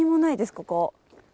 ここ。